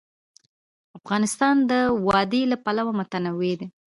افغانستان د وادي له پلوه متنوع دی.